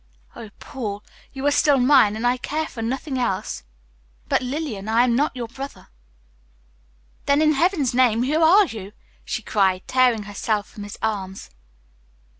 Oh, Paul, you are still mine, and I care for nothing else." "But, Lillian, I am not your brother." "Then, in heaven's name, who are you?" she cried, tearing herself from his arms.